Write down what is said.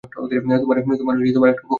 তোমার একটা উপকার করছি।